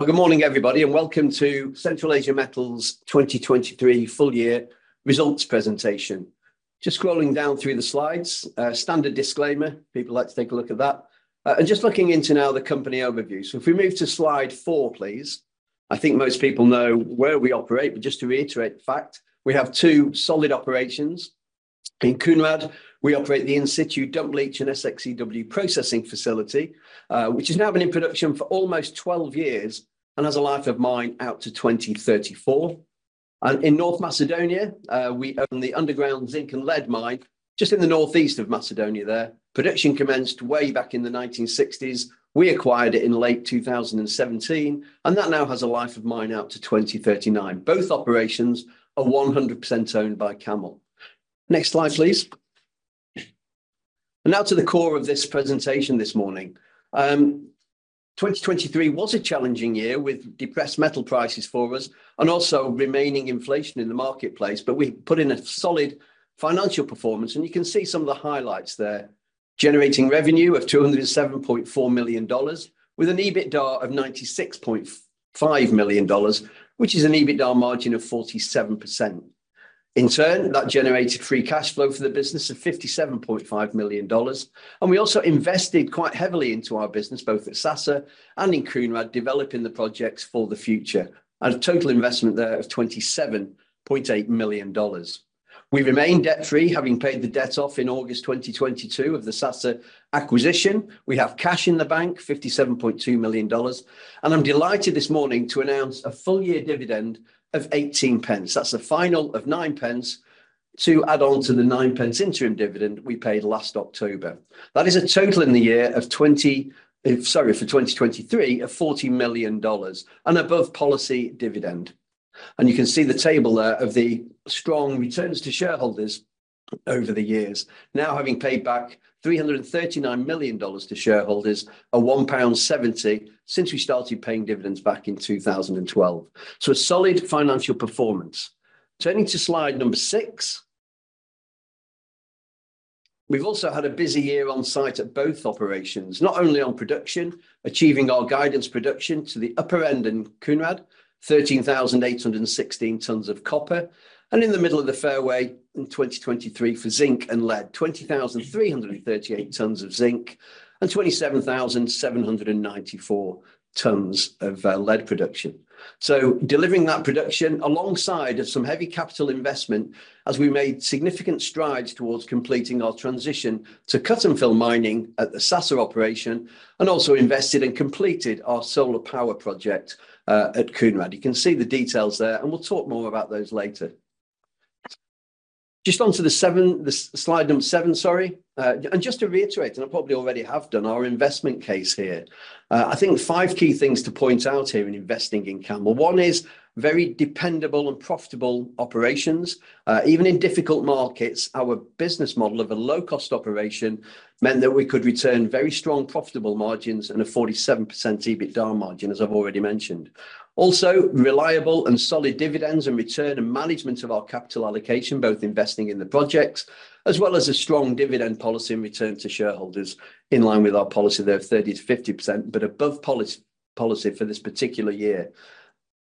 Well, good morning, everybody, and welcome to Central Asia Metals 2023 Full-Year Results Presentation. Just scrolling down through the slides, standard disclaimer, people like to take a look at that. And just looking into now the company overview. So if we move to slide four, please. I think most people know where we operate, but just to reiterate the fact, we have two solid operations. In Kounrad, we operate the in-situ dump leach and SX-EW processing facility, which has now been in production for almost 12 years and has a life of mine out to 2034. And in North Macedonia, we own the underground zinc and lead mine, just in the northeast of Macedonia there. Production commenced way back in the 1960s. We acquired it in late 2017, and that now has a life of mine out to 2039. Both operations are 100% owned by CAML. Next slide, please. Now to the core of this presentation this morning. 2023 was a challenging year with depressed metal prices for us and also remaining inflation in the marketplace, but we put in a solid financial performance, and you can see some of the highlights there. Generating revenue of $207.4 million, with an EBITDA of $96.5 million, which is an EBITDA margin of 47%. In turn, that generated free cash flow for the business of $57.5 million, and we also invested quite heavily into our business, both at Sasa and in Kounrad, developing the projects for the future, at a total investment there of $27.8 million. We remain debt-free, having paid the debt off in August 2022 of the Sasa acquisition. We have cash in the bank, $57.2 million, and I'm delighted this morning to announce a full-year dividend of 0.18. That's a final of 0.09 to add on to the 0.09 interim dividend we paid last October. That is a total in the year. Sorry, for 2023, of $40 million and above policy dividend. You can see the table there of the strong returns to shareholders over the years, now having paid back $339 million to shareholders and 1.70 since we started paying dividends back in 2012. A solid financial performance. Turning to slide number six. We've also had a busy year on site at both operations, not only on production, achieving our guidance production to the upper end in Kounrad, 13,816 tons of copper, and in the middle of the fairway in 2023 for zinc and lead, 20,338 tons of zinc and 27,794 tons of lead production. So delivering that production alongside of some heavy capital investment as we made significant strides towards completing our transition to cut-and-fill mining at the Sasa operation, and also invested and completed our solar power project at Kounrad. You can see the details there, and we'll talk more about those later. Just on to slide number seven, sorry. And just to reiterate, and I probably already have done, our investment case here. I think five key things to point out here in investing in CAML. One is very dependable and profitable operations. Even in difficult markets, our business model of a low-cost operation meant that we could return very strong, profitable margins and a 47% EBITDA margin, as I've already mentioned. Also, reliable and solid dividends and return and management of our capital allocation, both investing in the projects, as well as a strong dividend policy and return to shareholders in line with our policy there of 30%-50%, but above policy for this particular year.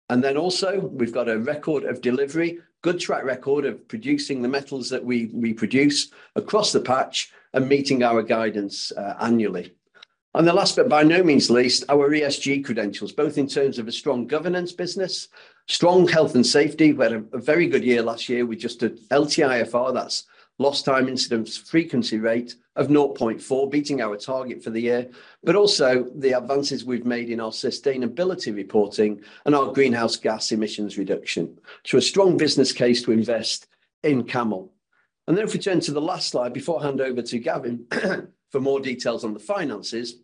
And then also, we've got a record of delivery, good track record of producing the metals that we, we produce across the patch and meeting our guidance, annually. And the last, but by no means least, our ESG credentials, both in terms of a strong governance business, strong health and safety. We had a very good year last year. We just did LTIFR, that's Lost Time Injury Frequency Rate, of 0.4, beating our target for the year, but also the advances we've made in our sustainability reporting and our greenhouse gas emissions reduction. So a strong business case to invest in CAML. And then if we turn to the last slide before I hand over to Gavin for more details on the finances,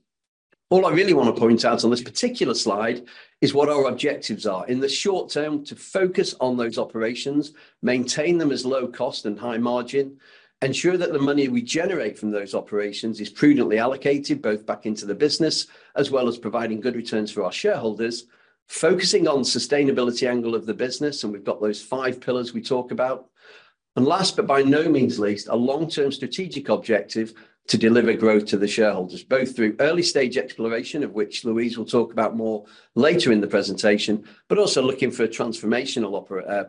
all I really want to point out on this particular slide is what our objectives are. In the short term, to focus on those operations, maintain them as low cost and high margin, ensure that the money we generate from those operations is prudently allocated, both back into the business, as well as providing good returns for our shareholders, focusing on sustainability angle of the business, and we've got those five pillars we talk about. And last, but by no means least, a long-term strategic objective to deliver growth to the shareholders, both through early-stage exploration, of which Louise will talk about more later in the presentation, but also looking for a transformational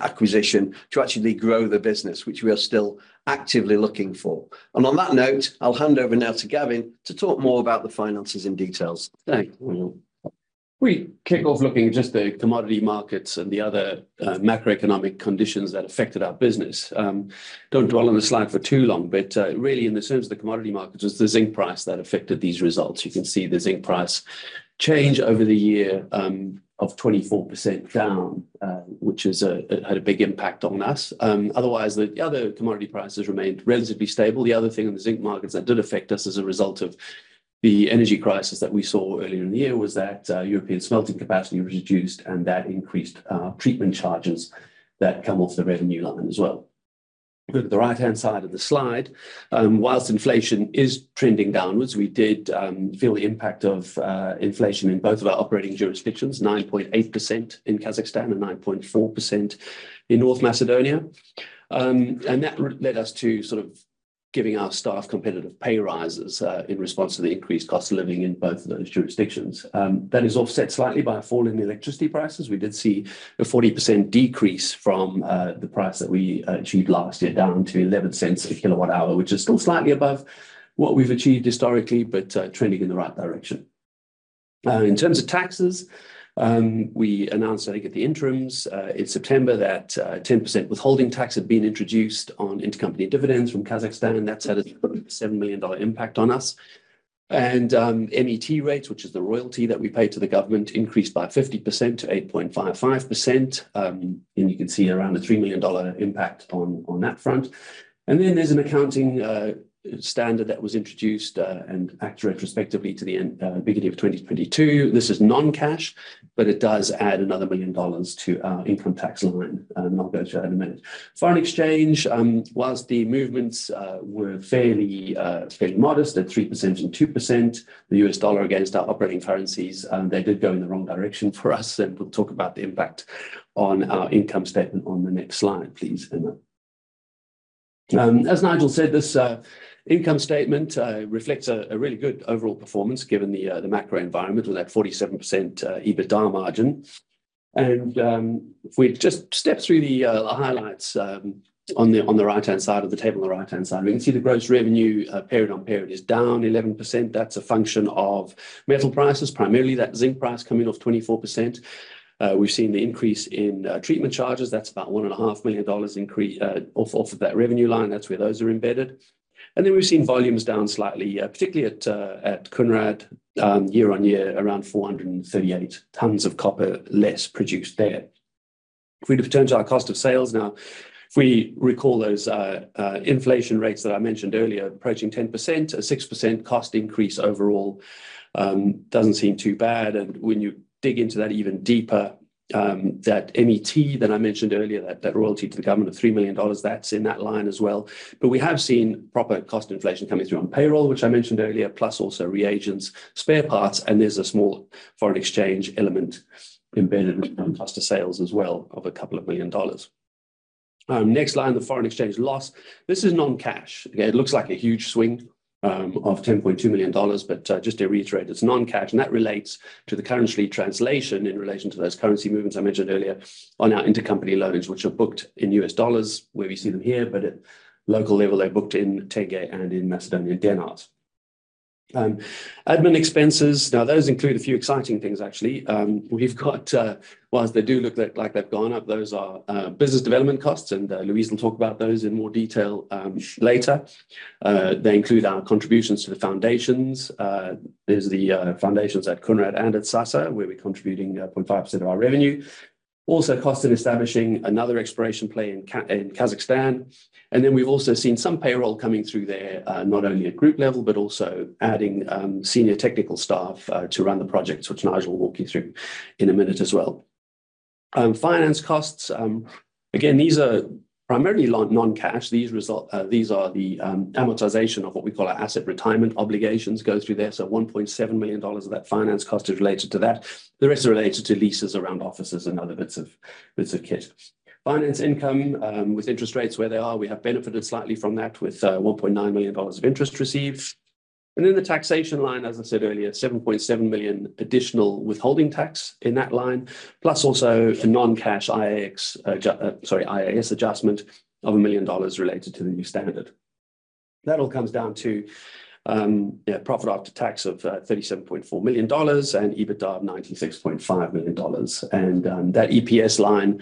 acquisition to actually grow the business, which we are still actively looking for. And on that note, I'll hand over now to Gavin to talk more about the finances in details. Thank you. We kick off looking at just the commodity markets and the other, macroeconomic conditions that affected our business. Don't dwell on the slide for too long, but, really, in the terms of the commodity markets, it's the zinc price that affected these results. You can see the zinc price change over the year, of 24% down, which is a, had a big impact on us. Otherwise, the other commodity prices remained relatively stable. The other thing in the zinc markets that did affect us as a result of the energy crisis that we saw earlier in the year, was that, European smelting capacity reduced, and that increased, treatment charges that come off the revenue line as well. Look at the right-hand side of the slide, while inflation is trending downwards, we did feel the impact of inflation in both of our operating jurisdictions, 9.8% in Kazakhstan and 9.4% in North Macedonia. That led us to giving our staff competitive pay raises in response to the increased cost of living in both of those jurisdictions. That is offset slightly by a fall in the electricity prices. We did see a 40% decrease from the price that we achieved last year, down to $0.11 a kWh, which is still slightly above what we've achieved historically, but trending in the right direction. In terms of taxes, we announced, I think, at the interims, in September, that a 10% withholding tax had been introduced on intercompany dividends from Kazakhstan, and that's had a $7 million impact on us. MET rates, which is the royalty that we pay to the government, increased by 50% to 8.55%. And you can see around a $3 million impact on that front. And then there's an accounting standard that was introduced and acted retrospectively to the beginning of 2022. This is non-cash, but it does add another $1 million to our income tax line, and I'll go through that in a minute. Foreign exchange, while the movements were fairly modest, at 3% and 2%, the U.S. dollar against our operating currencies, they did go in the wrong direction for us, and we'll talk about the impact on our income statement on the next slide, please, Emma. As Nigel said, this income statement reflects a really good overall performance given the macro environment, with that 47% EBITDA margin. If we just step through the highlights, on the right-hand side of the table, on the right-hand side, we can see the gross revenue, period-on-period is down 11%. That's a function of metal prices, primarily that zinc price coming off 24%. We've seen the increase in treatment charges. That's about $1.5 million increase, off, off of that revenue line. That's where those are embedded. And then we've seen volumes down slightly, particularly at, at Kounrad, year-on-year, around 438 tonnes of copper less produced there. If we turn to our cost of sales now, if we recall those, inflation rates that I mentioned earlier, approaching 10%, a 6% cost increase overall, doesn't seem too bad. And when you dig into that even deeper, that MET that I mentioned earlier, that, that royalty to the government of $3 million, that's in that line as well. But we have seen proper cost inflation coming through on payroll, which I mentioned earlier, plus also reagents, spare parts, and there's a small foreign exchange element embedded in cost of sales as well, of $2 million. Next line, the foreign exchange loss. This is non-cash. It looks like a huge swing of $10.2 million, but just to reiterate, it's non-cash, and that relates to the currency translation in relation to those currency movements I mentioned earlier on our intercompany loans, which are booked in U.S. dollars, where we see them here, but at local level, they're booked in tenge and in Macedonian denars. Admin expenses, now, those include a few exciting things, actually. We've got, while they do look like they've gone up, those are business development costs, and Louise will talk about those in more detail later. They include our contributions to the foundations. There's the foundations at Kounrad and at Sasa, where we're contributing 0.5% of our revenue. Also, cost of establishing another exploration play in Kazakhstan. And then we've also seen some payroll coming through there, not only at group level, but also adding senior technical staff to run the projects, which Nigel will walk you through in a minute as well. Finance costs, again, these are primarily non-cash. These are the amortization of what we call our asset retirement obligations go through there, so $1.7 million of that finance cost is related to that. The rest are related to leases around offices and other bits of kit. Finance income, with interest rates where they are, we have benefited slightly from that, with $1.9 million of interest received. And in the taxation line, as I said earlier, $7.7 million additional withholding tax in that line, plus also for non-cash IFRS adjustment of $1 million related to the new standard. That all comes down to profit after tax of $37.4 million and EBITDA of $96.5 million. And that EPS line,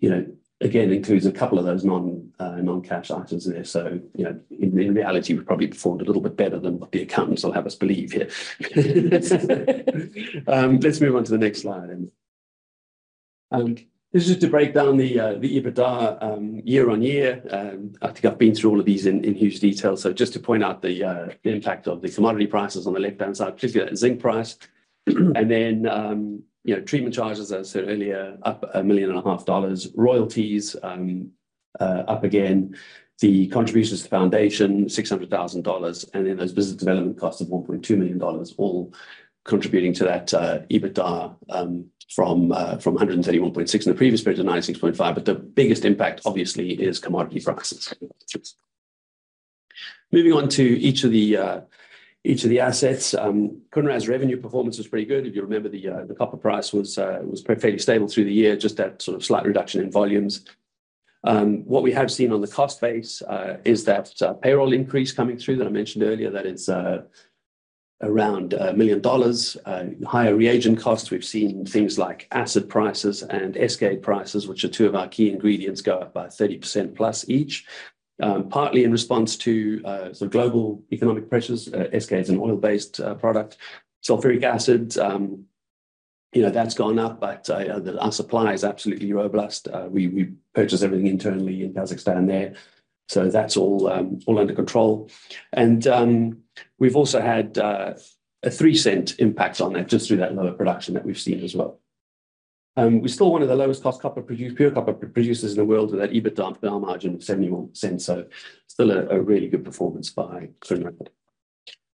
you know, again, includes a couple of those non-cash items there. So, you know, in reality, we probably performed a little bit better than what the accountants will have us believe here. Let's move on to the next slide. This is to break down the EBITDA year-over-year. I think I've been through all of these in huge detail, so just to point out the impact of the commodity prices on the left-hand side, particularly that zinc price. Then, you know, treatment charges, as I said earlier, up $1.5 million. Royalties, up again. The contributions to foundation, $600 thousand, and then those business development costs of $1.2 million, all contributing to that EBITDA from $131.6 million in the previous period to $96.5 million. But the biggest impact, obviously, is commodity prices. Moving on to each of the assets. Kounrad's revenue performance was pretty good. If you remember, the copper price was fairly stable through the year, just that sort of slight reduction in volumes. What we have seen on the cost base is that payroll increase coming through that I mentioned earlier, that is around $1 million. Higher reagent costs. We've seen things like acid prices and Escaid prices, which are two of our key ingredients, go up by 30%+ each, partly in response to sort of global economic pressures. Escaid is an oil-based product. Sulfuric acid, you know, that's gone up, but our supply is absolutely robust. We purchase everything internally in Kazakhstan there, so that's all under control. And we've also had a $0.03 impact on that, just through that lower production that we've seen as well. We're still one of the lowest cost copper pure copper producers in the world, with that EBITDA margin of $0.71, so still a really good performance by Kounrad.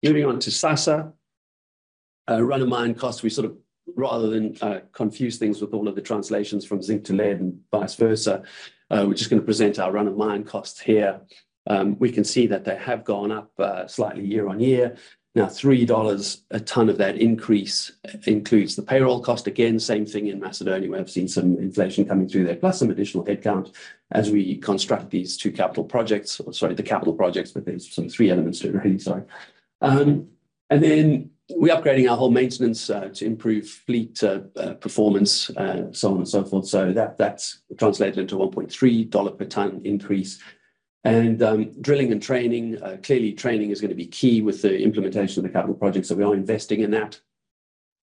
Moving on to Sasa. Run-of-mine costs, we sort of, rather than confuse things with all of the translations from zinc to lead and vice versa, we're just gonna present our run-of-mine costs here. We can see that they have gone up slightly year-on-year. Now, $3 a ton of that increase includes the payroll cost. Again, same thing in Macedonia, where we've seen some inflation coming through there, plus some additional headcount as we construct these two capital projects, or sorry, the capital projects, but there's some three elements to it really, so. And then we're upgrading our whole maintenance to improve fleet performance, so on and so forth. So that, that's translated into $1.3 per ton increase. And drilling and training, clearly, training is gonna be key with the implementation of the capital projects, so we are investing in that.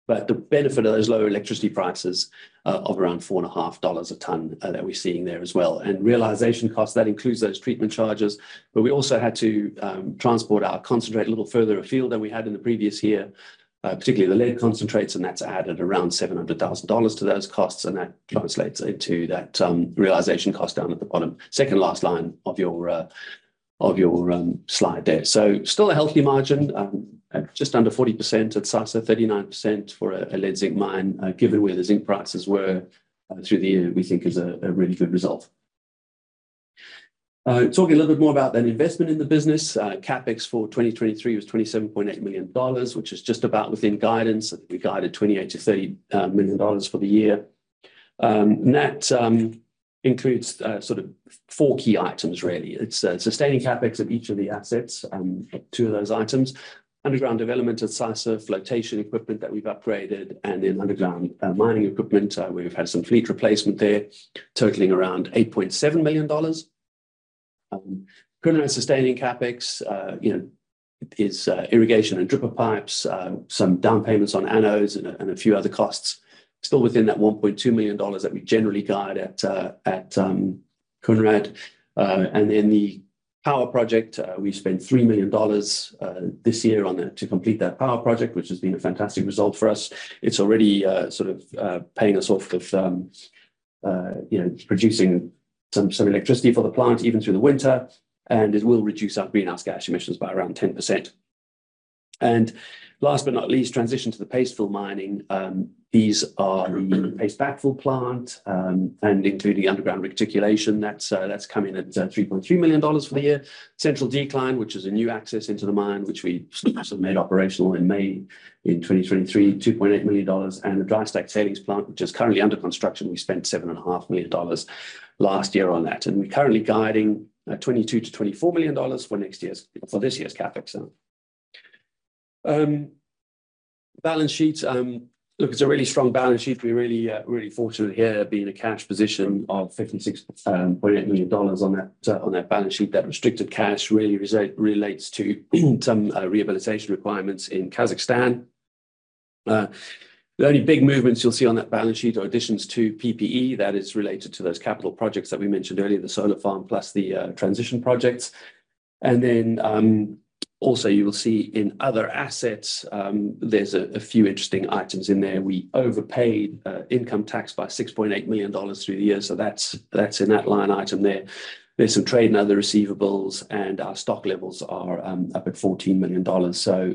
But the benefit of those lower electricity prices of around $4.5 per ton that we're seeing there as well. And realization costs, that includes those treatment charges, but we also had to transport our concentrate a little further afield than we had in the previous year, particularly the lead concentrates, and that's added around $700,000 to those costs, and that translates into that realization cost down at the bottom. Second last line of your slide there. So still a healthy margin, at just under 40% at Sasa, 39% for a lead zinc mine, given where the zinc prices were, through the year, we think is a really good result. Talking a little bit more about that investment in the business, CapEx for 2023 was $27.8 million, which is just about within guidance. I think we guided $28 million-$30 million for the year. And that includes sort of four key items, really. It's sustaining CapEx at each of the assets, two of those items. Underground development at Sasa, flotation equipment that we've upgraded, and in underground mining equipment, we've had some fleet replacement there, totaling around $8.7 million. Kounrad sustaining CapEx, you know, is irrigation and dripper pipes, some down payments on anodes and a few other costs. Still within that $1.2 million that we generally guide at Kounrad. And in the power project, we've spent $3 million this year on to complete that power project, which has been a fantastic result for us. It's already sort of paying us off with you know, producing some electricity for the plant, even through the winter, and it will reduce our greenhouse gas emissions by around 10%. And last but not least, transition to the paste fill mining. These are paste backfill plant and including underground reticulation. That's come in at $3.3 million for the year. Central decline, which is a new access into the mine, which we sort of made operational in May 2023, $2.8 million. And the dry stack tailings plant, which is currently under construction, we spent $7.5 million last year on that, and we're currently guiding $22 million-$24 million for next year's, for this year's CapEx, so. Balance sheet, look, it's a really strong balance sheet. We're really fortunate here, being a cash position of $56.8 million on that balance sheet. That restricted cash really relates to some rehabilitation requirements in Kazakhstan. The only big movements you'll see on that balance sheet are additions to PPE. That is related to those capital projects that we mentioned earlier, the solar farm, plus the transition projects. And then, also, you will see in other assets, there's a few interesting items in there. We overpaid income tax by $6.8 million through the year, so that's in that line item there. There's some trade in other receivables, and our stock levels are up at $14 million. So,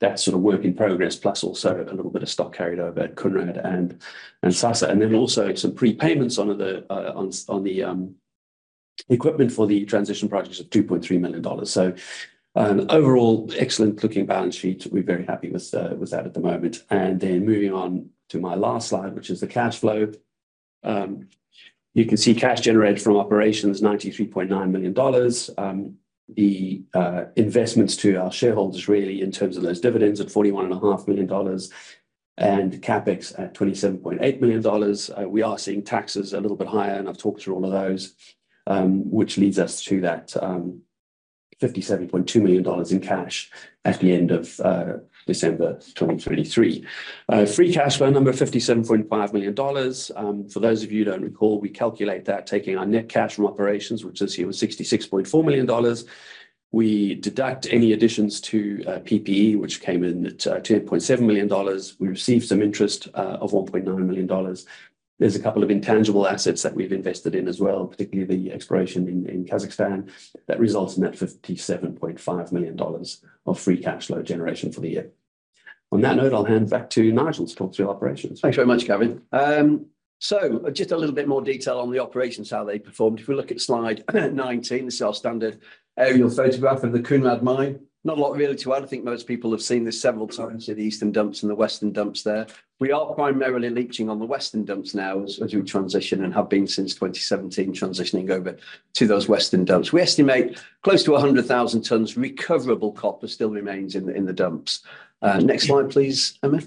that's sort of work in progress, plus also a little bit of stock carried over at Kounrad and Sasa. And then also some prepayments on the equipment for the transition projects of $2.3 million. So, overall, excellent-looking balance sheet. We're very happy with that at the moment. And then moving on to my last slide, which is the cash flow. You can see cash generated from operations, $93.9 million. The investments to our shareholders, really, in terms of those dividends at $41.5 million, and CapEx at $27.8 million. We are seeing taxes a little bit higher, and I've talked through all of those, which leads us to that, $57.2 million in cash at the end of December 2023. Free cash flow number, $57.5 million. For those of you who don't recall, we calculate that taking our net cash from operations, which this year was $66.4 million. We deduct any additions to PPE, which came in at $10.7 million. We received some interest of $1.9 million. There's a couple of intangible assets that we've invested in as well, particularly the exploration in Kazakhstan. That results in $57.5 million of free cash flow generation for the year. On that note, I'll hand back to Nigel to talk through operations. Thanks very much, Gavin. So just a little bit more detail on the operations, how they performed. If we look at slide 19, this is our standard aerial photograph of the Kounrad mine. Not a lot really to add. I think most people have seen this several times, see the eastern dumps and the western dumps there. We are primarily leaching on the western dumps now as we transition, and have been since 2017, transitioning over to those western dumps. We estimate close to 100,000 tons recoverable copper still remains in the dumps. Next slide, please, Emma.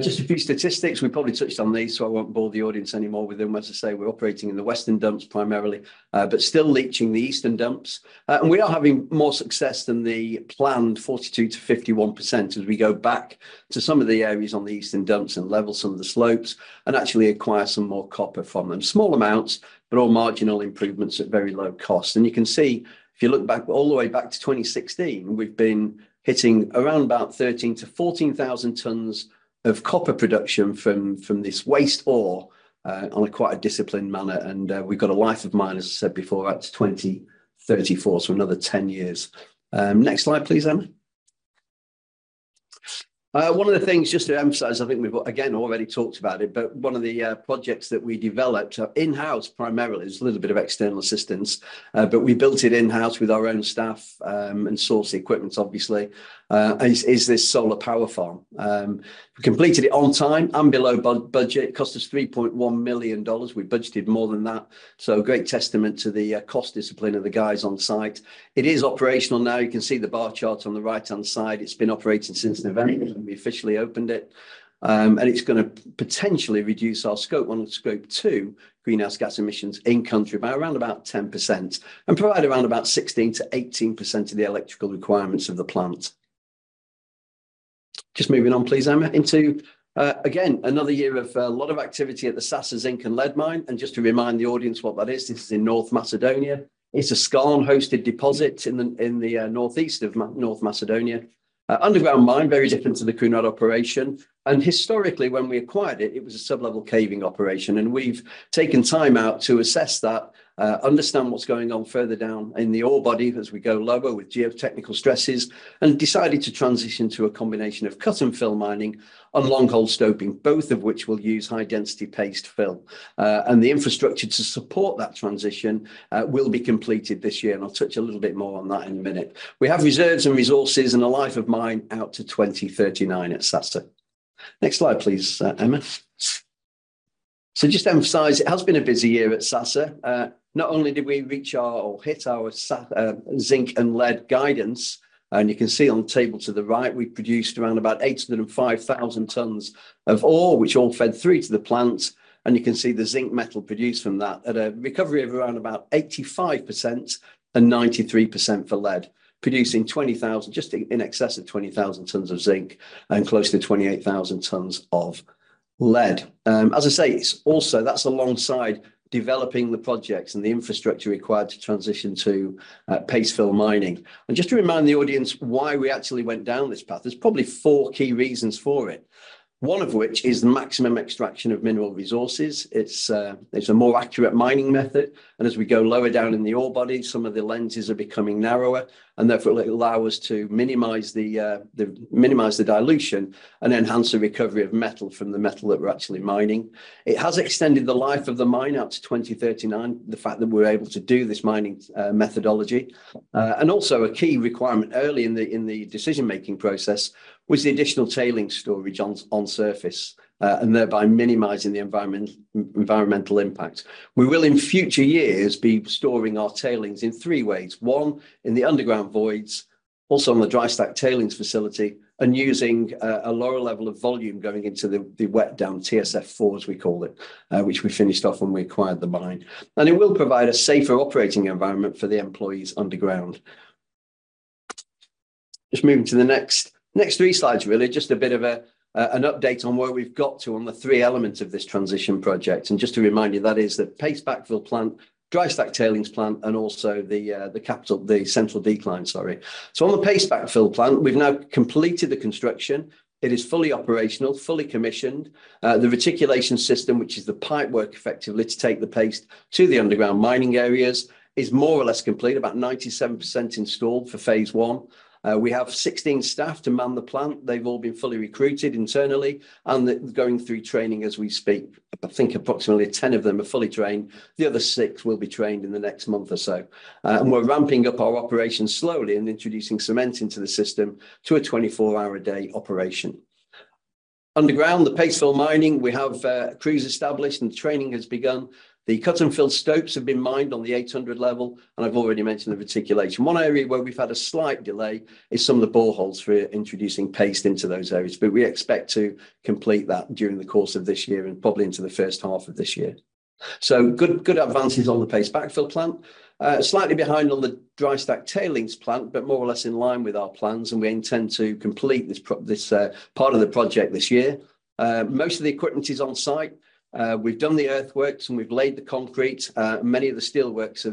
Just a few statistics. We probably touched on these, so I won't bore the audience any more with them. As I say, we're operating in the western dumps primarily, but still leaching the eastern dumps. And we are having more success than the planned 42%-51% as we go back to some of the areas on the eastern dumps and level some of the slopes and actually acquire some more copper from them. Small amounts, but all marginal improvements at very low cost. You can see, if you look back, all the way back to 2016, we've been hitting around about 13,000-14,000 tons of copper production from this waste ore on a quite a disciplined manner, and we've got a life of mine, as I said before, out to 2034, so another 10 years. Next slide, please, Emma. One of the things, just to emphasize, I think we've, again, already talked about it, but one of the projects that we developed in-house primarily, there's a little bit of external assistance, but we built it in-house with our own staff and sourced the equipment, obviously, is this solar power farm. We completed it on time and below budget. It cost us $3.1 million. We budgeted more than that, so a great testament to the cost discipline of the guys on site. It is operational now. You can see the bar chart on the right-hand side. It's been operating since November, when we officially opened it. And it's gonna potentially reduce our Scope One and Scope Two greenhouse gas emissions in country by around about 10%, and provide around about 16%-18% of the electrical requirements of the plant. Just moving on, please, Emma, into again, another year of a lot of activity at the Sasa zinc and lead mine. And just to remind the audience what that is, this is in North Macedonia. It's a skarn-hosted deposit in the northeast of North Macedonia. Underground mine, very different to the Kounrad operation, and historically, when we acquired it, it was a sub-level caving operation, and we've taken time out to assess that, understand what's going on further down in the ore body as we go lower with geotechnical stresses, and decided to transition to a combination of cut-and-fill mining and long hole stoping, both of which will use high-density paste fill. And the infrastructure to support that transition will be completed this year, and I'll touch a little bit more on that in a minute. We have reserves and resources and a life of mine out to 2039 at Sasa. Next slide, please, Emma. So just to emphasize, it has been a busy year at Sasa. Not only did we reach our, or hit our Sasa zinc and lead guidance, and you can see on the table to the right, we produced around about 805,000 tons of ore, which all fed through to the plant, and you can see the zinc metal produced from that at a recovery of around about 85% and 93% for lead, producing 20,000, just in excess of 20,000 tons of zinc and close to 28,000 tons of lead. As I say, it's also, that's alongside developing the projects and the infrastructure required to transition to paste fill mining. And just to remind the audience why we actually went down this path, there's probably four key reasons for it, one of which is the maximum extraction of mineral resources. It's, it's a more accurate mining method, and as we go lower down in the ore body, some of the lenses are becoming narrower, and therefore, it'll allow us to minimize the, minimize the dilution and enhance the recovery of metal from the metal that we're actually mining. It has extended the life of the mine out to 2039, the fact that we're able to do this mining methodology. And also a key requirement early in the, in the decision-making process was the additional tailings storage on, on surface, and thereby minimizing the environmental impact. We will, in future years, be storing our tailings in three ways, one, in the underground voids, also in the dry stack tailings facility, and using a lower level of volume going into the wet dam TSF4, as we call it, which we finished off when we acquired the mine. It will provide a safer operating environment for the employees underground. Just moving to the next three slides, really, just a bit of an update on where we've got to on the three elements of this transition project. Just to remind you, that is the paste backfill plant, dry stack tailings plant, and also the central decline, sorry. On the paste backfill plant, we've now completed the construction. It is fully operational, fully commissioned. The reticulation system, which is the pipework, effectively, to take the paste to the underground mining areas, is more or less complete, about 97% installed for phase I. We have 16 staff to man the plant. They've all been fully recruited internally and they're going through training as we speak. I think approximately 10 of them are fully trained. The other six will be trained in the next month or so. We're ramping up our operations slowly and introducing cement into the system to a 24-hour-a-day operation. Underground, the paste fill mining, we have crews established, and the training has begun. The cut-and-fill stopes have been mined on the 800 level, and I've already mentioned the reticulation. One area where we've had a slight delay is some of the boreholes for introducing paste into those areas, but we expect to complete that during the course of this year and probably into the first half of this year. So good, good advances on the paste backfill plant. Slightly behind on the dry stack tailings plant, but more or less in line with our plans, and we intend to complete this part of the project this year. Most of the equipment is on site. We've done the earthworks, and we've laid the concrete. Many of the steelworks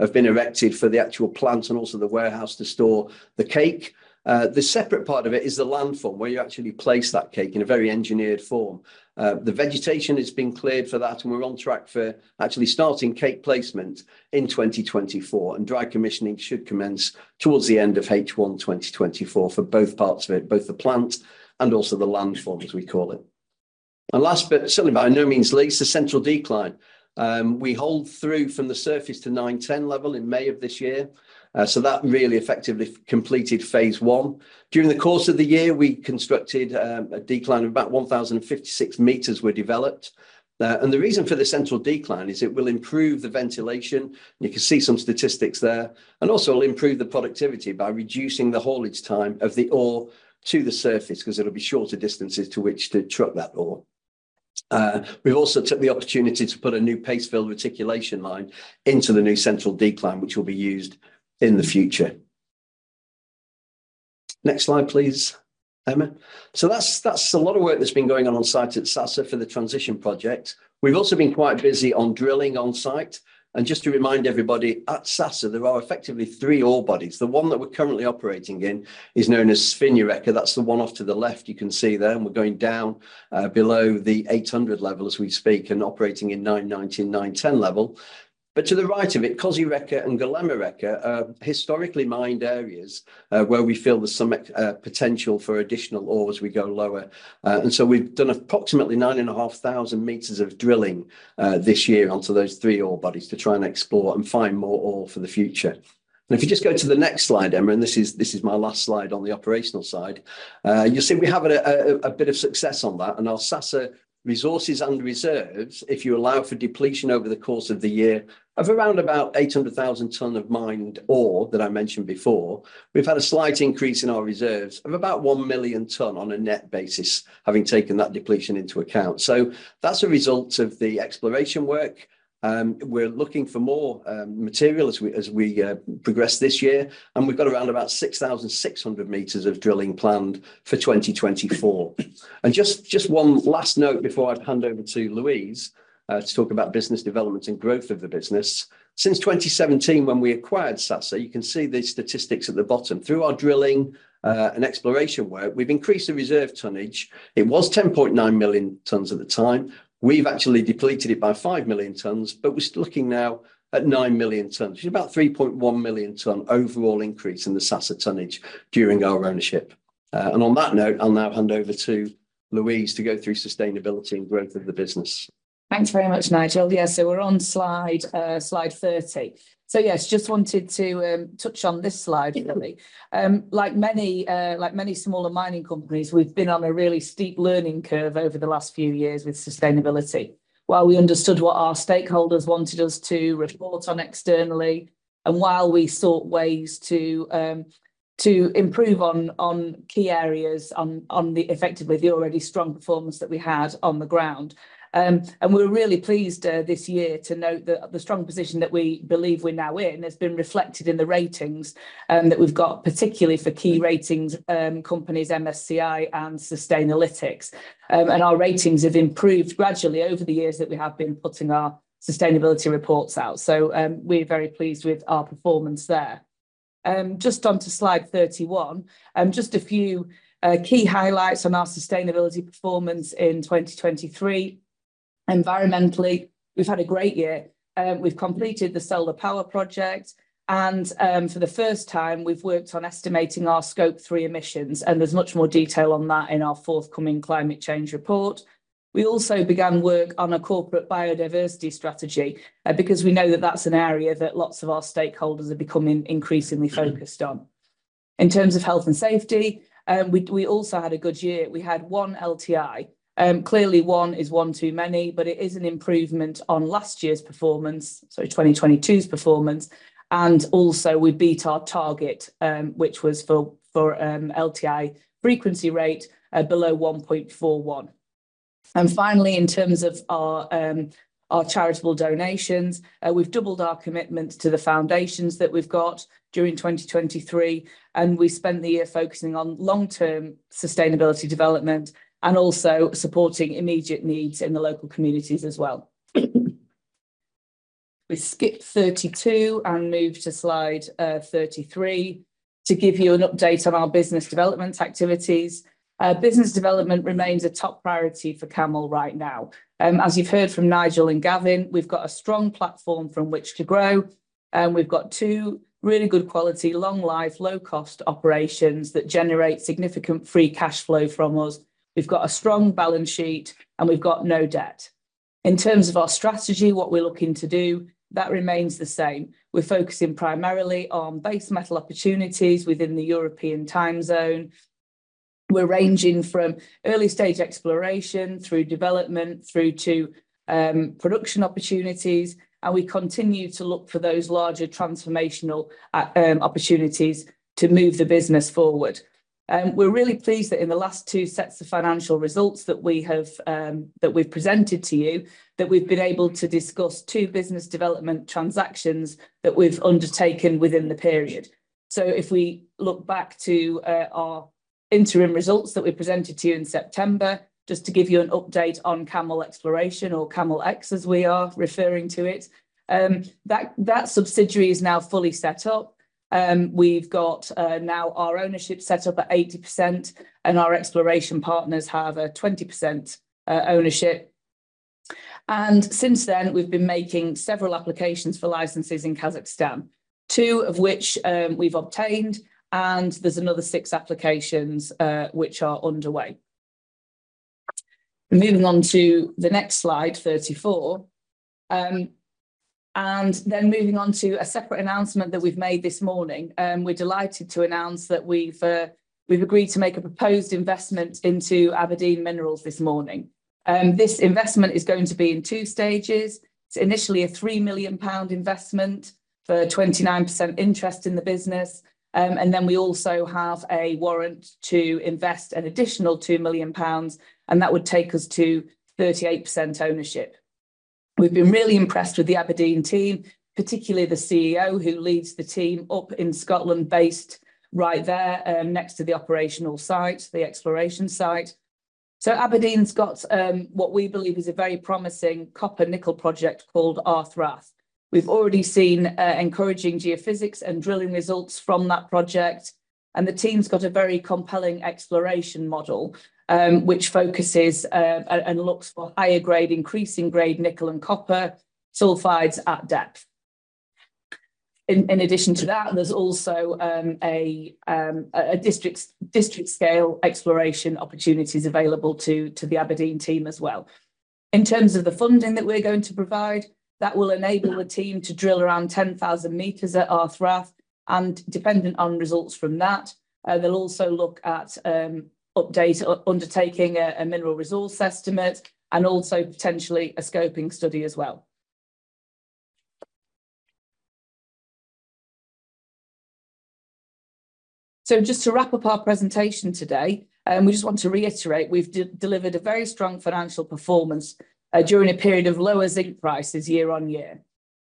have been erected for the actual plant, and also the warehouse to store the cake. The separate part of it is the landfill, where you actually place that cake in a very engineered form. The vegetation has been cleared for that, and we're on track for actually starting cake placement in 2024, and dry commissioning should commence towards the end of H1 2024 for both parts of it, both the plant and also the landfill, as we call it. And last, but certainly by no means least, the central decline. We holed through from the surface to 910 level in May of this year, so that really effectively completed phase I. During the course of the year, we constructed a decline of about 1,056 meters were developed. And the reason for the central decline is it will improve the ventilation, you can see some statistics there, and also it'll improve the productivity by reducing the haulage time of the ore to the surface, 'cause it'll be shorter distances to which to truck that ore. We've also took the opportunity to put a new paste fill reticulation line into the new central decline, which will be used in the future. Next slide, please, Emma. So that's, that's a lot of work that's been going on on-site at Sasa for the transition project. We've also been quite busy on drilling on-site, and just to remind everybody, at Sasa, there are effectively three ore bodies. The one that we're currently operating in is known as Svinja Reka. That's the one off to the left you can see there, and we're going down below the 800 level as we speak, and operating in 990 and 910 level. But to the right of it, Kozja Reka and Golema Reka are historically mined areas where we feel there's some potential for additional ore as we go lower. And so we've done approximately 9,500 meters of drilling this year onto those three ore bodies to try and explore and find more ore for the future. And if you just go to the next slide, Emma, and this is my last slide on the operational side. You'll see we're having a bit of success on that, and our Sasa resources and reserves, if you allow for depletion over the course of the year, of around about 800,000 tonnes of mined ore that I mentioned before. We've had a slight increase in our reserves of about one million tonnes on a net basis, having taken that depletion into account. So that's a result of the exploration work. We're looking for more material as we progress this year, and we've got around about 6,600 meters of drilling planned for 2024. Just one last note before I hand over to Louise to talk about business development and growth of the business. Since 2017, when we acquired Sasa, you can see the statistics at the bottom. Through our drilling and exploration work, we've increased the reserve tonnage. It was 10.9 million tonnes at the time. We've actually depleted it by five million tonnes, but we're looking now at nine million tonnes. It's about 3.1 million tonne overall increase in the Sasa tonnage during our ownership. And on that note, I'll now hand over to Louise to go through sustainability and growth of the business. Thanks very much, Nigel. Yeah, so we're on slide 30. Yes, just wanted to touch on this slide really. Like many smaller mining companies, we've been on a really steep learning curve over the last few years with sustainability. While we understood what our stakeholders wanted us to report on externally, and while we sought ways to improve on key areas, effectively the already strong performance that we had on the ground. And we're really pleased this year to note that the strong position that we believe we're now in has been reflected in the ratings that we've got, particularly for key ratings companies, MSCI and Sustainalytics. And our ratings have improved gradually over the years that we have been putting our sustainability reports out. So, we're very pleased with our performance there. Just on to slide 31, just a few key highlights on our sustainability performance in 2023. Environmentally, we've had a great year. We've completed the solar power project, and, for the first time, we've worked on estimating our Scope Three emissions, and there's much more detail on that in our forthcoming climate change report. We also began work on a corporate biodiversity strategy, because we know that that's an area that lots of our stakeholders are becoming increasingly focused on. In terms of health and safety, we also had a good year. We had one LTI. Clearly, one is one too many, but it is an improvement on last year's performance, so 2022's performance, and also, we beat our target, which was for LTIFR below 1.41. And finally, in terms of our charitable donations, we've doubled our commitment to the foundations that we've got during 2023, and we spent the year focusing on long-term sustainability development, and also supporting immediate needs in the local communities as well. We skip 32 and move to slide 33 to give you an update on our business development activities. Business development remains a top priority for CAML right now. As you've heard from Nigel and Gavin, we've got a strong platform from which to grow, and we've got two really good quality, long life, low cost operations that generate significant free cash flow from us. We've got a strong balance sheet, and we've got no debt. In terms of our strategy, what we're looking to do, that remains the same. We're focusing primarily on base metal opportunities within the European time zone. We're ranging from early stage exploration through development, through to production opportunities, and we continue to look for those larger transformational opportunities to move the business forward. We're really pleased that in the last two sets of financial results that we have, that we've presented to you, that we've been able to discuss two business development transactions that we've undertaken within the period. So if we look back to our interim results that we presented to you in September, just to give you an update on CAML Exploration, or CAML X, as we are referring to it, that subsidiary is now fully set up. We've got now our ownership set up at 80%, and our exploration partners have a 20% ownership. And since then, we've been making several applications for licenses in Kazakhstan, two of which we've obtained, and there's another six applications which are underway. Moving on to the next slide, 34, and then moving on to a separate announcement that we've made this morning. We're delighted to announce that we've agreed to make a proposed investment into Aberdeen Minerals this morning. This investment is going to be in two stages. It's initially a 3 million pound investment for a 29% interest in the business, and then we also have a warrant to invest an additional 2 million pounds, and that would take us to 38% ownership. We've been really impressed with the Aberdeen team, particularly the CEO, who leads the team up in Scotland, based right there, next to the operational site, the exploration site. So Aberdeen's got what we believe is a very promising copper nickel project called Arthrath. We've already seen encouraging geophysics and drilling results from that project and the team's got a very compelling exploration model, which focuses and looks for higher grade, increasing grade nickel and copper sulfides at depth. In addition to that, there's also a district scale exploration opportunities available to the Aberdeen team as well. In terms of the funding that we're going to provide, that will enable the team to drill around 10,000 meters at Arthrath, and dependent on results from that, they'll also look at update or undertaking a mineral resource estimate, and also potentially a scoping study as well. So just to wrap up our presentation today, we just want to reiterate, we've delivered a very strong financial performance during a period of lower zinc prices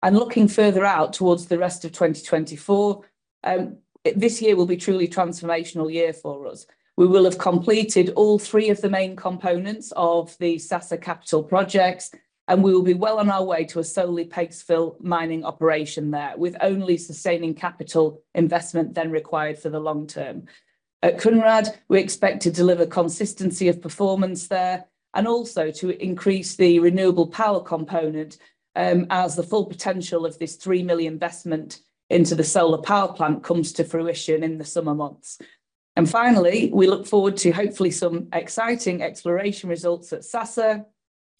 year-on-year. Looking further out towards the rest of 2024, this year will be truly transformational year for us. We will have completed all three of the main components of the Sasa capital projects, and we will be well on our way to a solely paste fill mining operation there, with only sustaining capital investment then required for the long term. At Kounrad, we expect to deliver consistency of performance there, and also to increase the renewable power component, as the full potential of this $3 million investment into the solar power plant comes to fruition in the summer months. And finally, we look forward to hopefully some exciting exploration results at Sasa,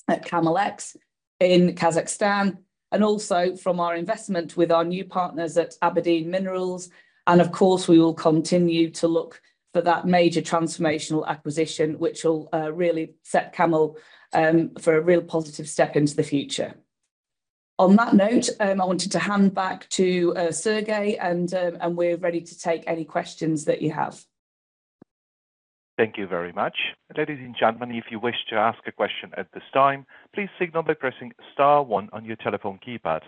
at CAML X, in Kazakhstan, and also from our investment with our new partners at Aberdeen Minerals. And of course, we will continue to look for that major transformational acquisition, which will really set CAML for a real positive step into the future. On that note, I wanted to hand back to Sergey, and we're ready to take any questions that you have. Thank you very much. Ladies and gentlemen, if you wish to ask a question at this time, please signal by pressing star one on your telephone keypad.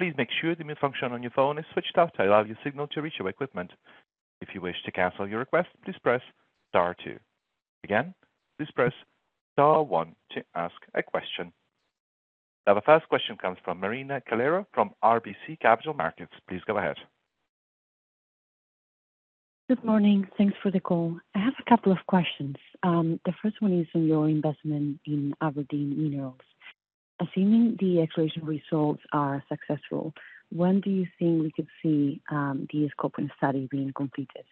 Please make sure the mute function on your phone is switched off to allow your signal to reach our equipment. If you wish to cancel your request, please press star two. Again, please press star one to ask a question. Now, the first question comes from Marina Calero from RBC Capital Markets. Please go ahead. Good morning. Thanks for the call. I have a couple of questions. The first one is on your investment in Aberdeen Minerals. Assuming the exploration results are successful, when do you think we could see the scoping study being completed?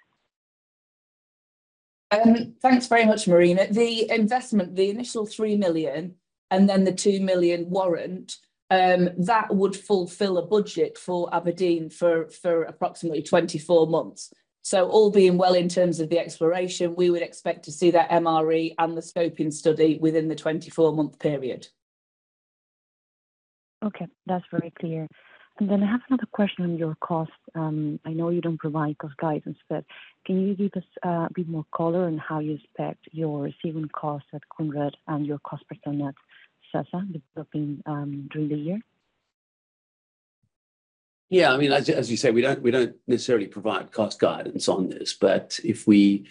Thanks very much, Marina. The investment, the initial $3 million, and then the $2 million warrant, that would fulfill a budget for Aberdeen for approximately 24 months. So all being well in terms of the exploration, we would expect to see that MRE and the scoping study within the 24-month period. Okay, that's very clear. And then I have another question on your cost. I know you don't provide cost guidance, but can you give us a bit more color on how you expect your receiving costs at Kounrad and your cost per ton at Sasa developing during the year? Yeah, I mean, as, as you say, we don't, we don't necessarily provide cost guidance on this, but if we,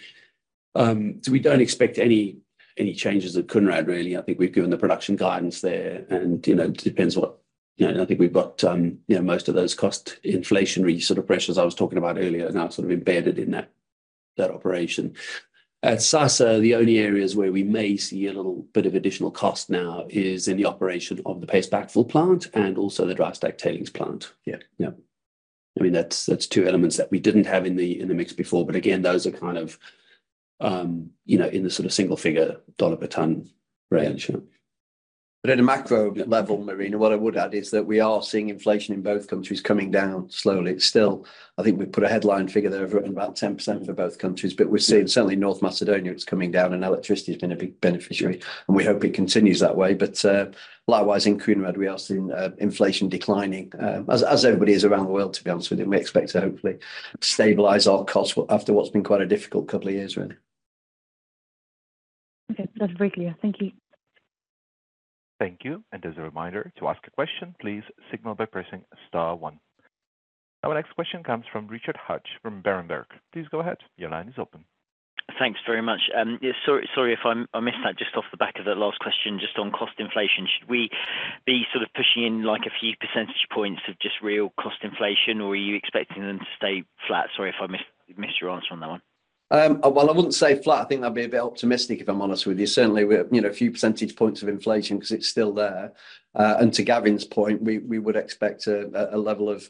so we don't expect any, any changes at Kounrad, really. I think we've given the production guidance there, and, you know, it depends what- you know, I think we've got, you know, most of those cost inflationary sort of pressures I was talking about earlier are now sort of embedded in that, that operation. At Sasa, the only areas where we may see a little bit of additional cost now is in the operation of the paste backfill plant and also the dry stack tailings plant. Yeah, yeah. I mean, that's, that's two elements that we didn't have in the, in the mix before, but again, those are kind of, you know, in the sort of single figure dollar per ton range. But at a macro level, Marina, what I would add is that we are seeing inflation in both countries coming down slowly. Still, I think we've put a headline figure there of around 10% for both countries, but we're seeing certainly North Macedonia, it's coming down, and electricity has been a big beneficiary, and we hope it continues that way. But, likewise, in Kounrad, we are seeing inflation declining, as everybody is around the world, to be honest with you. We expect to hopefully stabilize our costs after what's been quite a difficult couple of years, really. Okay. That's very clear. Thank you. Thank you, and as a reminder, to ask a question, please signal by pressing star one. Our next question comes from Richard Hatch from Berenberg. Please go ahead. Your line is open. Thanks very much. Sorry if I missed that just off the back of that last question, just on cost inflation. Should we be sort of pushing in, like, a few percentage points of just real cost inflation, or are you expecting them to stay flat? Sorry if I missed your answer on that one. Well, I wouldn't say flat. I think that'd be a bit optimistic, if I'm honest with you. Certainly, we, you know, a few percentage points of inflation cause it's still there. And to Gavin's point, we, we would expect a, a level of,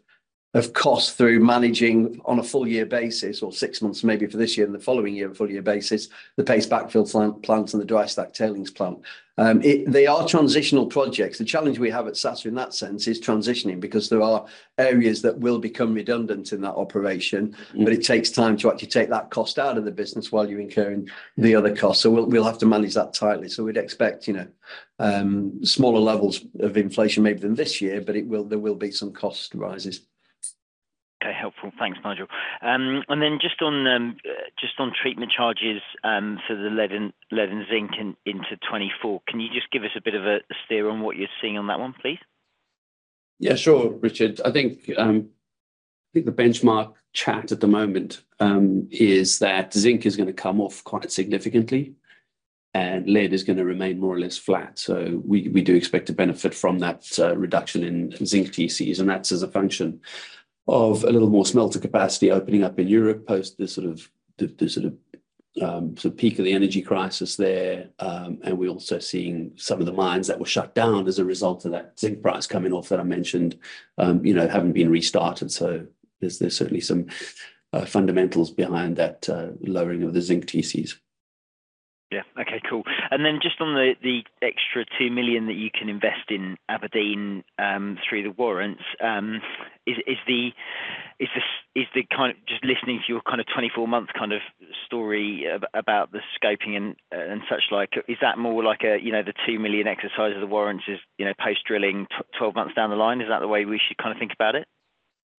of cost through managing on a full year basis, or six months maybe for this year, and the following year a full year basis, the paste backfill plant, plant and the dry stack tailings plant. They are transitional projects. The challenge we have at Sasa in that sense is transitioning, because there are areas that will become redundant in that operation but it takes time to actually take that cost out of the business while you're incurring the other costs. So we'll have to manage that tightly. So we'd expect, you know, smaller levels of inflation maybe than this year, but there will be some cost rises. Okay, helpful. Thanks, Nigel. And then just on treatment charges for the lead and zinc into 2024, can you just give us a bit of a steer on what you're seeing on that one, please? Yeah, sure, Richard. I think, I think the benchmark chat at the moment is that zinc is gonna come off quite significantly and lead is gonna remain more or less flat. So we do expect to benefit from that reduction in zinc TCs, and that's as a function of a little more smelter capacity opening up in Europe post the sort of peak of the energy crisis there. And we're also seeing some of the mines that were shut down as a result of that zinc price coming off that I mentioned, you know, having been restarted. So there's certainly some fundamentals behind that lowering of the zinc TCs. Yeah. Okay, cool. And then just on the extra $2 million that you can invest in Aberdeen through the warrants, is the kind of, just listening to your kind of 24-month kind of story about the scoping and such like, is that more like a, you know, the $2 million exercise of the warrants is, you know, post-drilling 12 months down the line? Is that the way we should kind of think about it?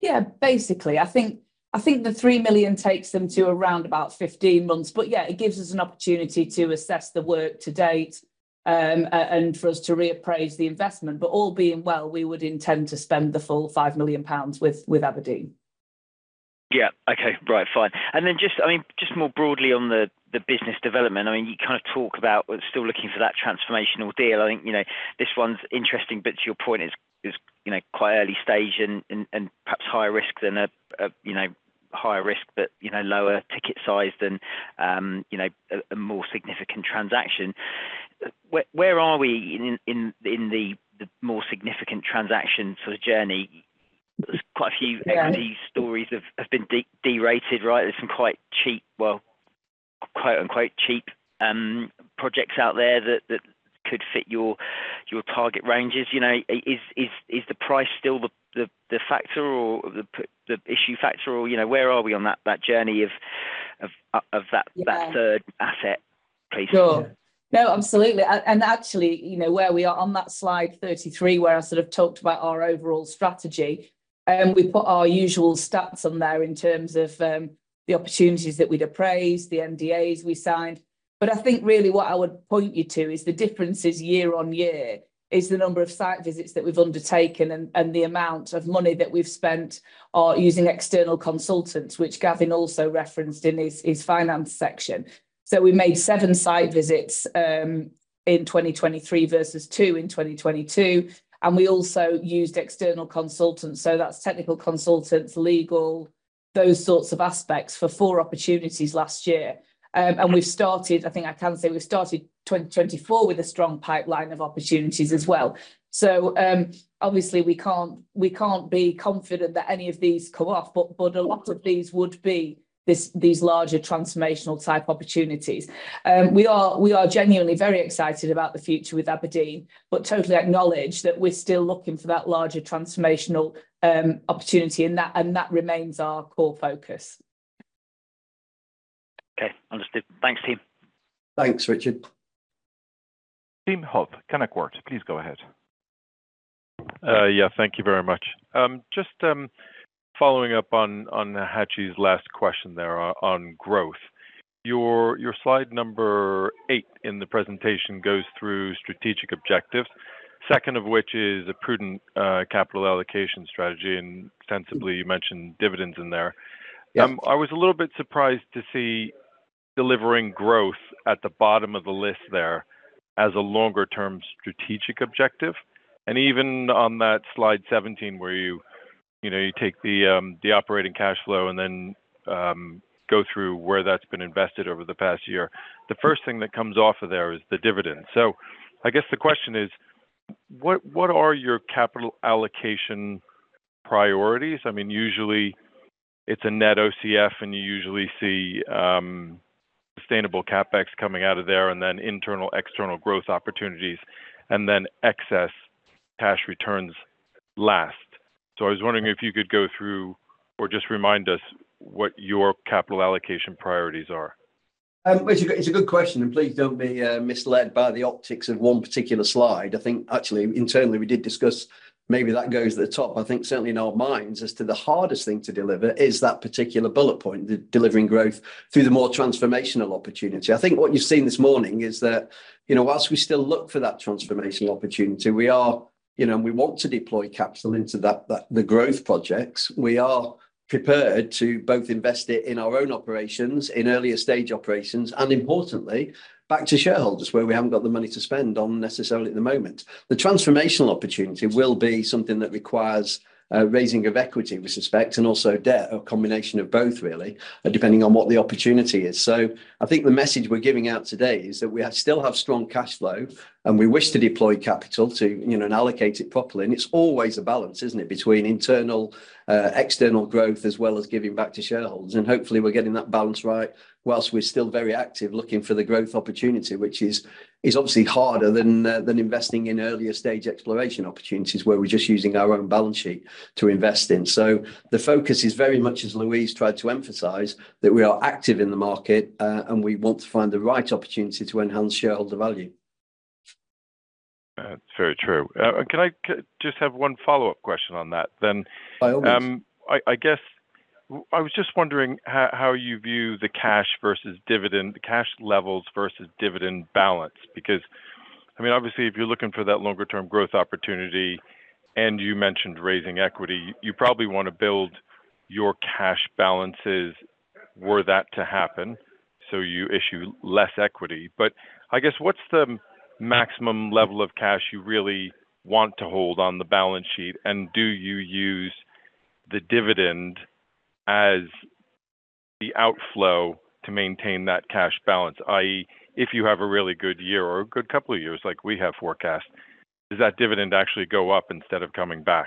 Yeah, basically. I think, I think the 3 million takes them to around about 15 months. But yeah, it gives us an opportunity to assess the work to date, and for us to reappraise the investment. But all being well, we would intend to spend the full 5 million pounds with, with Aberdeen. Yeah. Okay. Right. Fine. And then just, I mean, just more broadly on the business development, I mean, you kind of talk about we're still looking for that transformational deal. I think, you know, this one's interesting, but to your point, it's, you know, quite early stage and perhaps higher risk than a, you know, higher risk, but, you know, lower ticket sized than, you know, a more significant transaction. Where are we in the more significant transaction sort of journey? Quite a few equity stories have been derated, right? There's some quite cheap, well, quote, unquote, cheap, projects out there that could fit your target ranges. You know, is the price still the factor or the issue factor, or, you know, where are we on that journey of that third asset, please? Sure. No, absolutely. Actually, you know, where we are on that slide 33, where I sort of talked about our overall strategy, we put our usual stats on there in terms of the opportunities that we'd appraised, the NDAs we signed. But I think really what I would point you to is the differences year on year, is the number of site visits that we've undertaken, and the amount of money that we've spent on using external consultants, which Gavin also referenced in his finance section. So we made seven site visits in 2023 versus two in 2022, and we also used external consultants. So that's technical consultants, legal, those sorts of aspects, for four opportunities last year. And we've started, I think I can say we've started 2024 with a strong pipeline of opportunities as well. Obviously, we can't be confident that any of these come off, but a lot of these would be these larger transformational type opportunities. We are genuinely very excited about the future with Aberdeen, but totally acknowledge that we're still looking for that larger transformational opportunity, and that remains our core focus. Okay. Understood. Thanks, team. Thanks, Richard. Tim Huff, Canaccord, please go ahead. Yeah, thank you very much. Just following up on Hatch's last question there on growth. Your slide number eight in the presentation goes through strategic objectives, second of which is a prudent capital allocation strategy, and ostensibly, you mentioned dividends in there. Yep. I was a little bit surprised to see delivering growth at the bottom of the list there as a longer-term strategic objective. And even on that slide 17, where you, you know, you take the, the operating cash flow and then, go through where that's been invested over the past year, the first thing that comes off of there is the dividend. So I guess the question is: What, what are your capital allocation priorities? I mean, usually, it's a net OCF, and you usually see, sustainable CapEx coming out of there, and then internal, external growth opportunities, and then excess cash returns last. So I was wondering if you could go through or just remind us what your capital allocation priorities are. It's a good question, and please don't be misled by the optics of one particular slide. I think, actually, internally, we did discuss maybe that goes at the top. I think certainly in our minds, as to the hardest thing to deliver is that particular bullet point, the delivering growth through the more transformational opportunity. I think what you've seen this morning is that, you know, whilst we still look for that transformational opportunity, we are, you know, and we want to deploy capital into that, that, the growth projects, we are prepared to both invest it in our own operations, in earlier stage operations, and importantly, back to shareholders, where we haven't got the money to spend on necessarily at the moment. The transformational opportunity will be something that requires raising of equity, we suspect, and also debt, a combination of both, really, depending on what the opportunity is. So I think the message we're giving out today is that we still have strong cash flow, and we wish to deploy capital to, you know, and allocate it properly. And it's always a balance, isn't it, between internal external growth, as well as giving back to shareholders. And hopefully, we're getting that balance right, whilst we're still very active, looking for the growth opportunity, which is obviously harder than investing in earlier stage exploration opportunities, where we're just using our own balance sheet to invest in. The focus is very much, as Louise tried to emphasize, that we are active in the market, and we want to find the right opportunity to enhance shareholder value. That's very true. Can I just have one follow-up question on that then? By all means. I guess I was just wondering how you view the cash versus dividend, the cash levels versus dividend balance, because I mean, obviously, if you're looking for that longer-term growth opportunity, and you mentioned raising equity, you probably want to build your cash balances were that to happen, so you issue less equity. But I guess, what's the maximum level of cash you really want to hold on the balance sheet? And do you use the dividend as the outflow to maintain that cash balance, i.e., if you have a really good year or a good couple of years like we have forecast, does that dividend actually go up instead of coming back?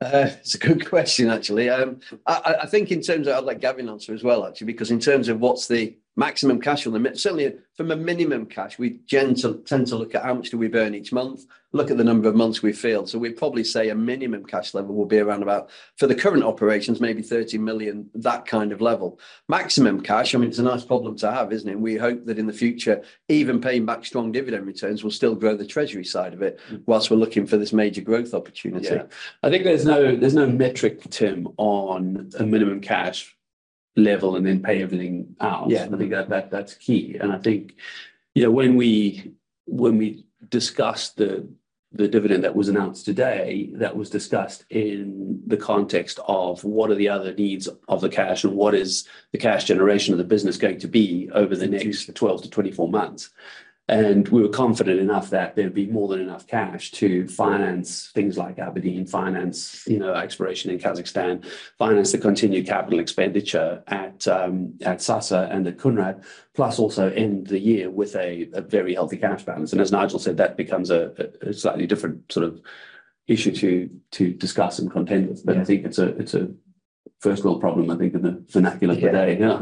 It's a good question, actually. I think in terms of, I'd let Gavin answer as well, actually, because in terms of what's the maximum cash on the, certainly, from a minimum cash, we tend to look at how much do we burn each month, look at the number of months we feel. So we'd probably say a minimum cash level will be around about, for the current operations, maybe $30 million, that kind of level. Maximum cash, I mean, it's a nice problem to have, isn't it? We hope that in the future, even paying back strong dividend returns will still grow the treasury side of it, whilst we're looking for this major growth opportunity. Yeah. I think there's no metric, Tim, on a minimum cash level and then pay everything out. Yeah. I think that's key. And I think, you know, when we discussed the dividend that was announced today, that was discussed in the context of what are the other needs of the cash, and what is the cash generation of the business going to be over the next 12-24 months. And we were confident enough that there'd be more than enough cash to finance things like Aberdeen Minerals, you know, exploration in Kazakhstan, finance the continued capital expenditure at Sasa and at Kounrad, plus also end the year with a very healthy cash balance. And as Nigel said, that becomes a slightly different sort of issue to discuss and contend with. Yeah. But I think it's a first world problem, I think, in the vernacular today. Yeah.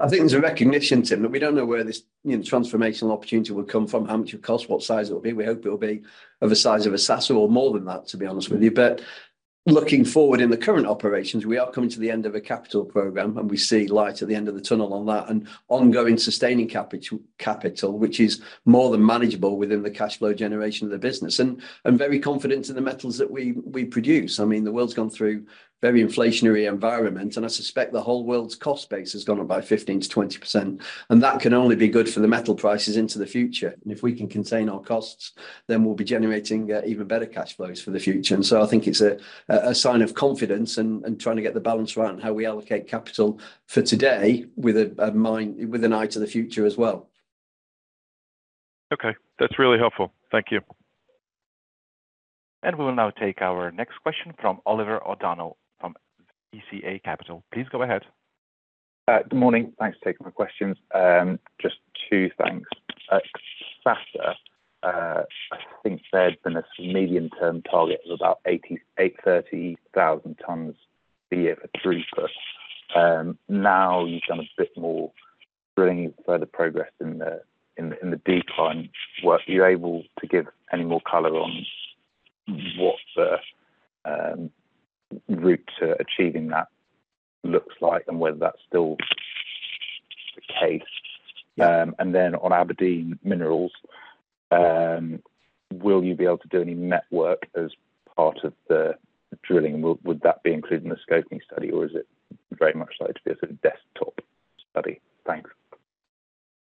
I think there's a recognition, Tim, that we don't know where this transformational opportunity will come from, how much it'll cost, what size it'll be. We hope it'll be of the size of a Sasa or more than that, to be honest with you. But looking forward in the current operations, we are coming to the end of a capital program, and we see light at the end of the tunnel on that, and ongoing sustaining capital, which is more than manageable within the cash flow generation of the business. And I'm very confident in the metals that we produce. I mean, the world's gone through very inflationary environment, and I suspect the whole world's cost base has gone up by 15%-20%, and that can only be good for the metal prices into the future. If we can contain our costs, then we'll be generating even better cash flows for the future. So I think it's a sign of confidence and trying to get the balance right on how we allocate capital for today with an eye to the future as well. Okay, that's really helpful. Thank you. We will now take our next question from Oliver O'Donnell, from VSA Capital. Please go ahead. Good morning. Thanks for taking my questions. Just two things. Sasa, I think said in a medium-term target of about 88,300 tons a year for three plus. Now you've done a bit more drilling, further progress in the decline work. Are you able to give any more color on what the route to achieving that looks like and whether that's still the case? And then on Aberdeen Minerals, will you be able to do any network as part of the drilling? Would that be included in the scoping study, or is it very much likely to be a sort of desktop study? Thanks.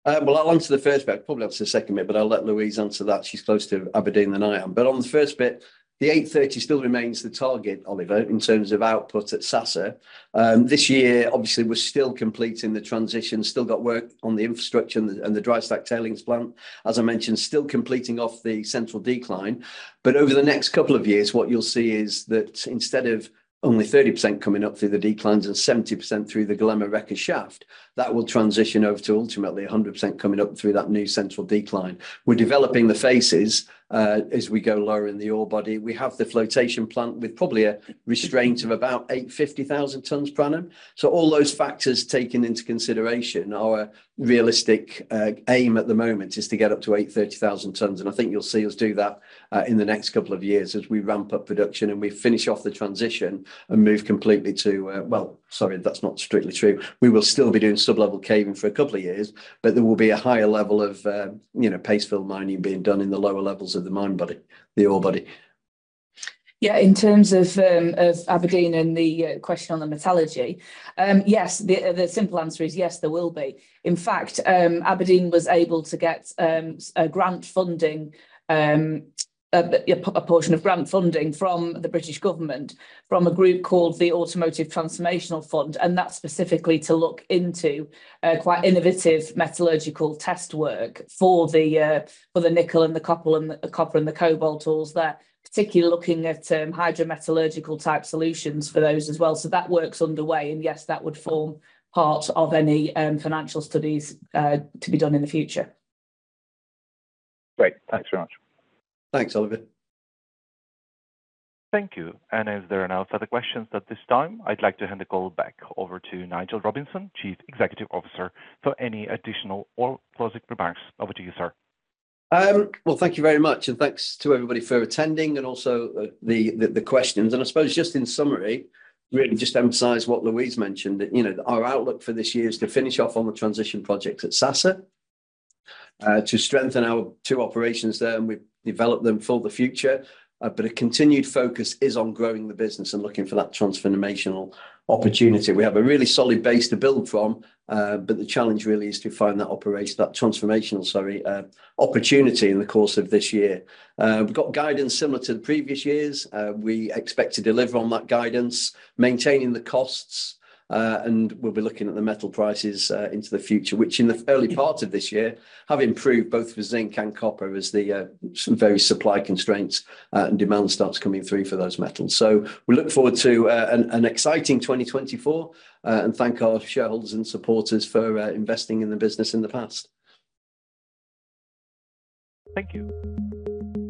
Well, I'll answer the first bit. I'll probably answer the second bit, but I'll let Louise answer that. She's closer to Aberdeen than I am. But on the first bit, the 830 still remains the target, Oliver, in terms of output at Sasa. This year, obviously, we're still completing the transition, still got work on the infrastructure and the, and the dry stack tailings plant. As I mentioned, still completing off the central decline, but over the next couple of years, what you'll see is that instead of only 30% coming up through the declines and 70% through the Golema Reka shaft, that will transition over to ultimately 100% coming up through that new central decline. We're developing the phases, as we go lower in the ore body. We have the flotation plant with probably a constraint of about 850,000 tonnes per annum. So all those factors taken into consideration, our realistic aim at the moment is to get up to 830,000 tonnes, and I think you'll see us do that in the next couple of years as we ramp up production, and we finish off the transition, and move completely to... Well, sorry, that's not strictly true. We will still be doing sub-level caving for a couple of years, but there will be a higher level of, you know, paste fill mining being done in the lower levels of the ore body, the ore body. Yeah, in terms of, of Aberdeen and the question on the metallurgy, yes, the simple answer is yes, there will be. In fact, Aberdeen was able to get, a grant funding, a portion of grant funding from the British government, from a group called the Automotive Transformation Fund, and that's specifically to look into, quite innovative metallurgical test work for the, for the nickel and the copper, and the- copper and the cobalt ores there, particularly looking at, hydrometallurgical-type solutions for those as well. So that work's underway, and yes, that would form part of any, financial studies, to be done in the future. Great. Thanks very much. Thanks, Oliver. Thank you. And if there are no further questions at this time, I'd like to hand the call back over to Nigel Robinson, Chief Executive Officer, for any additional or closing remarks. Over to you, sir. Well, thank you very much, and thanks to everybody for attending and also the questions. And I suppose, just in summary, really just to emphasize what Louise mentioned, that, you know, our outlook for this year is to finish off on the transition projects at Sasa, to strengthen our two operations there, and we develop them for the future. But a continued focus is on growing the business and looking for that transformational opportunity. We have a really solid base to build from, but the challenge really is to find that operation- that transformational, sorry, opportunity in the course of this year. We've got guidance similar to the previous years. We expect to deliver on that guidance, maintaining the costs, and we'll be looking at the metal prices into the future, which in the early parts of this year, have improved both the zinc and copper as the some various supply constraints and demand starts coming through for those metals. So we look forward to an exciting 2024, and thank our shareholders and supporters for investing in the business in the past. Thank you.